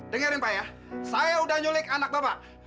dengarin pak ya saya udah nyulik anak bapak